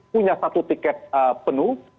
punya satu tiket penuh